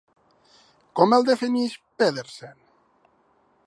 Com el defineix Pedersen?